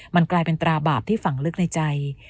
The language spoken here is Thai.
มันกลายเป็นตราบาปที่ฝังลึกในใจ